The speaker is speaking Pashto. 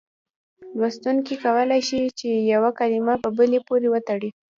لوستونکی کولای شي چې یوه کلمه په بلې پورې وتړي.